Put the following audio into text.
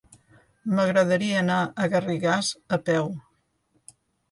M'agradaria anar a Garrigàs a peu.